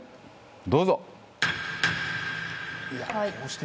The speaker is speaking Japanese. どうぞ。